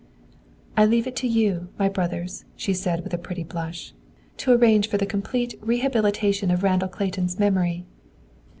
"I leave it to you, my brothers," she said, with a pretty blush, "to arrange for the complete rehabilitation of Randall Clayton's memory.